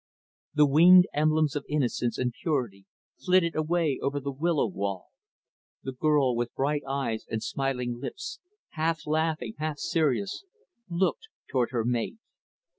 The winged emblems of innocence and purity flitted away over the willow wall. The girl, with bright eyes and smiling lips half laughing, half serious looked toward her mate.